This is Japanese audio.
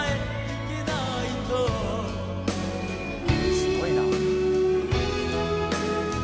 すごいな。